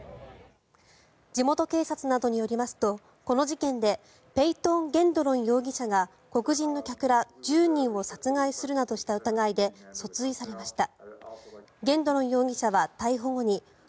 地元警察などによりますとこの事件でペイトン・ゲンドロン容疑者が黒人の客ら１０人を殺害するなどした疑いで訴追されました。